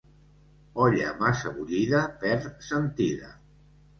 Olla massa bullida perd sentida.